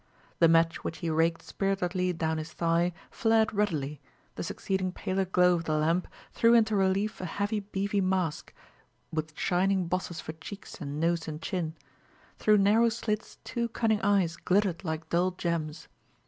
The match which he raked spiritedly down his thigh, flared ruddily; the succeeding paler glow of the lamp threw into relief a heavy beefy mask, with shining bosses for cheeks and nose and chin; through narrow slits two cunning eyes glittered like dull gems.